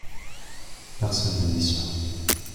Personne ne dit cela.